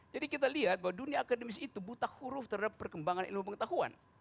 jadi kita lihat bahwa dunia akademis itu buta huruf terhadap perkembangan ilmu pengetahuan